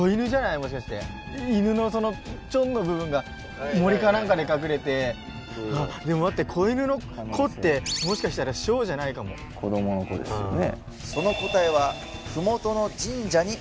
「犬」のチョンの部分が森か何かで隠れてあっでも待って子犬の「子」ってもしかしたら「小」じゃないかも子供の「子」ですよね